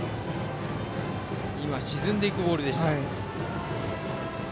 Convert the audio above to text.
沈んでいくボールでした。